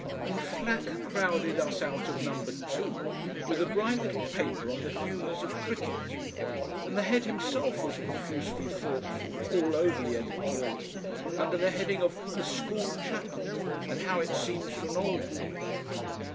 And Flack crowded us out of number two with a bright little paper on the "Humours of Cricket," and the Head himself was profusely thoughtful all over the editorial under the heading of "The School Chapel; and How it Seems to an Old Boy."